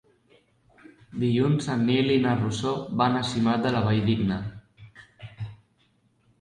Dilluns en Nil i na Rosó van a Simat de la Valldigna.